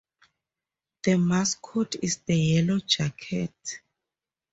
The mascot is the yellow jacket.